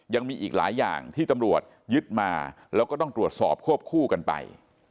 ยังมีอีกหลายอย่างที่ตำรวจยึดมาแล้วก็ต้องตรวจสอบควบคู่กันไป